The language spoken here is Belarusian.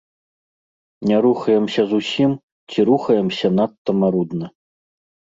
Не рухаемся зусім ці рухаемся надта марудна.